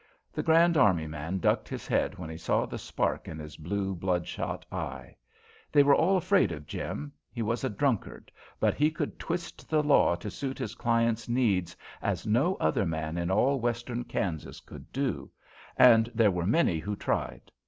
The Grand Army man ducked his head when he saw the spark in his blue, blood shot eye. They were all afraid of Jim; he was a drunkard, but he could twist the law to suit his client's needs as no other man in all western Kansas could do, and there were many who tried.